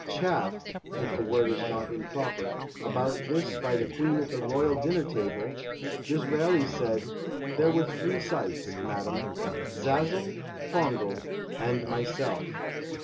" Chaffed " (if the word is not improper) about this by the Queen at the Royal dinner table, Disraeli said, " There were three sights, madam ; Zazcl, Pongo, and myself."